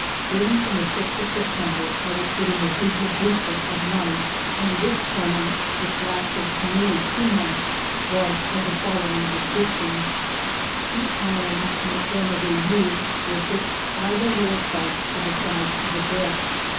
Dating from the 6th of September, I was put in the " double boucle " at night ; and this torment, which lasted nearly two months, was of the follow ing description: two irons in the form of a " U" — AA — were fixed by their lower parts to the sides of the bed.